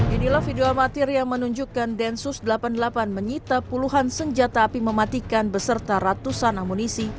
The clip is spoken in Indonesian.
inilah video amatir yang menunjukkan densus delapan puluh delapan menyita puluhan senjata api mematikan beserta ratusan amunisi